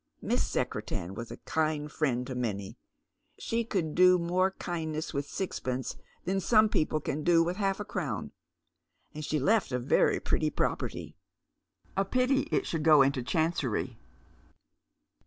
Miss Secretan was a kind friend to many. She could do more kindness with sixpence than some people can do with half a crown. And she left a very pretty property. A pity it should go into Chancery."